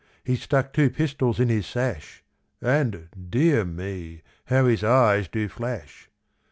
He's stuck two pistols in his sash, And, dear me, how his eyes do flash!